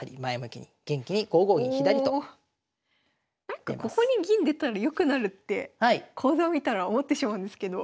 なんかここに銀出たら良くなるって講座を見たら思ってしまうんですけど。